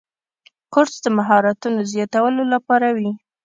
کورس د مهارتونو زیاتولو لپاره وي.